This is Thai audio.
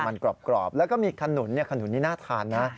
มันกรอบแล้วก็มีขนุนขนุนนี่น่าทานนะ